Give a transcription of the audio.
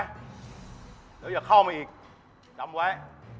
เดี๋ยวอย่าเข้ามาอีกจำไว้